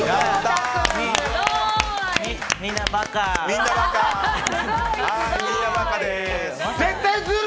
みんなバカー！